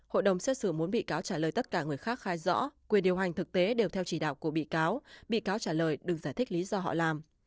hội đồng xét xử muốn bị cáo trả lời tất cả người khác khai rõ quyền điều hành thực tế đều theo chỉ đạo của bị cáo bị cáo trả lời đừng giải thích lý do họ làm